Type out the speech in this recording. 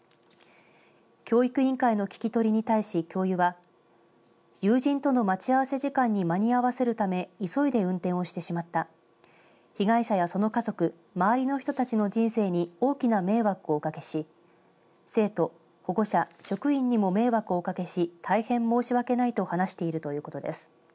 教育委員会の聞き取りに対し教諭は友人との待ち合わせ時間に間に合わせるため急いで運転をしてしまった被害者やその家族周りの人たちの人生に大きな迷惑をおかけし生徒、保護者、職員にも迷惑をおかけし大変申し訳ないと話しているということです。